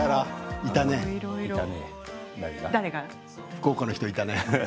福岡の人いたね。